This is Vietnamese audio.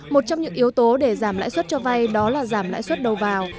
một trong những yếu tố để giảm lãi suất cho vay đó là giảm lãi suất đầu vào